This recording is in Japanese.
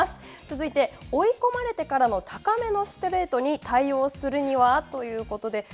続いて、追い込まれてからの高めのストレートに対応するにはということで。